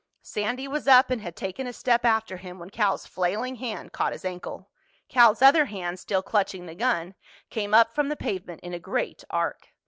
Sandy was up and had taken a step after him when Cal's flailing hand caught his ankle. Cal's other hand, still clutching the gun, came up from the pavement in a great arc.